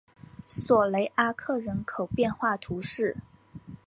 索雷阿克人口变化图示